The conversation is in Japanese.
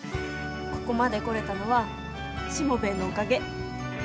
ここまで来れたのはしもべえのおかげ。